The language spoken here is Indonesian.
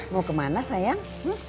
mau kemana sayang